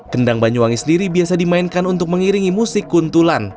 kendang banyuwangi sendiri biasa dimainkan untuk mengiringi musik kuntulan